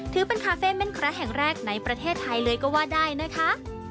ถือเป็นคาเฟ่เม่นแคระแห่งแรกในประเทศไทยเลยก็ว่าได้นะคะ